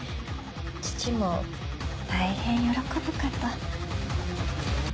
父も大変喜ぶかと。